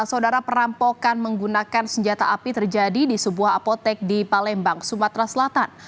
saudara perampokan menggunakan senjata api terjadi di sebuah apotek di palembang sumatera selatan